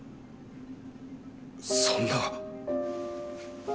そんな。